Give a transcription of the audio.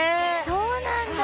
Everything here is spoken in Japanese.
そうなんだ！